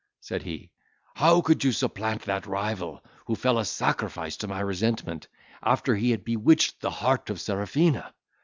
said he, "how could you supplant that rival, who fell a sacrifice to my resentment, after he had bewitched the heart of Serafina?